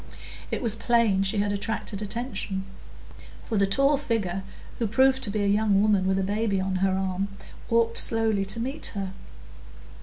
It was plain she had attracted attention; for the tall figure, who proved to be a young woman with a baby on her arm, walked slowly to meet her.